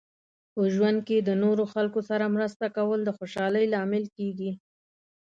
په ژوند کې د نورو خلکو سره مرسته کول د خوشحالۍ لامل کیږي.